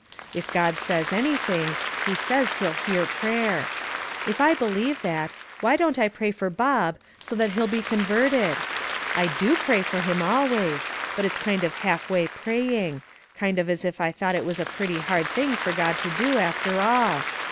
If God says anything, He says He'll hear prayer. If I believe that, why don't I pray for Bob, so that he'll be converted? I do pray for him always, but it's kind of half way praying kind of as if I thought it was a pretty hard thing for God to do after all.